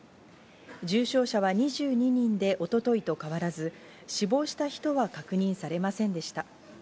重症者は２２人で一昨日と変わらず死亡した人は確認されませんでした。